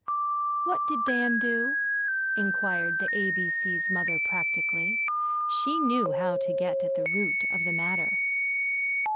"What did Dan do?" inquired the A B C.'s mother practically. She knew how to get at the root of the matter.